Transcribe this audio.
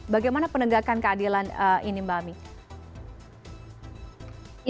bagaimana penegakan keadilan ini mbak ami